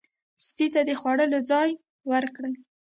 سپي ته د خوړلو ځای ورکړئ.